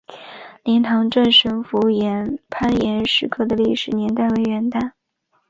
莲塘镇神符岩摩崖石刻的历史年代为元代。